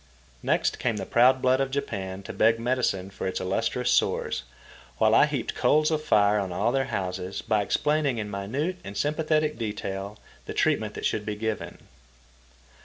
Next came the proud blood of Japan to beg medicine for its illustrious sores, while I heaped coals of fire on all their houses by explaining in minute and sympathetic detail the treatment that should be given.